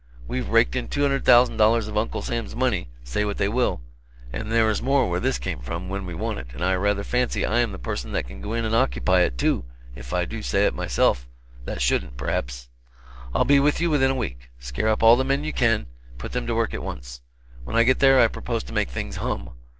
We've raked in $200,000 of Uncle Sam's money, say what they will and there is more where this came from, when we want it, and I rather fancy I am the person that can go in and occupy it, too, if I do say it myself, that shouldn't, perhaps. I'll be with you within a week. Scare up all the men you can, and put them to work at once. When I get there I propose to make things hum."